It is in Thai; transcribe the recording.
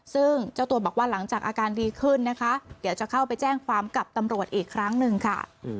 ซึ่งเจ้าตัวบอกว่าหลังจากอาการดีขึ้นนะคะเดี๋ยวจะเข้าไปแจ้งความกับตำรวจอีกครั้งหนึ่งค่ะ